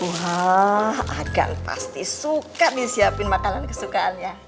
wah agan pasti suka disiapin makanan kesukaannya